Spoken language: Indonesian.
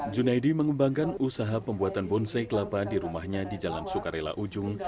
junaidi mengembangkan usaha pembuatan bonsai kelapa di rumahnya di jalan sukarela ujung